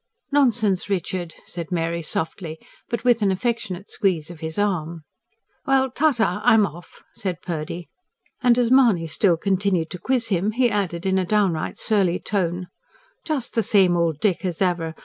"Nonsense, Richard," said Mary softly, but with an affectionate squeeze of his arm. "Well, ta ta, I'm off!" said Purdy. And as Mahony still continued to quiz him, he added in a downright surly tone: "Just the same old Dick as ever!